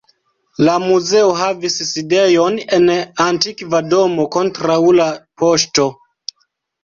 La muzeo havis sidejon en antikva domo kontraŭ la poŝto.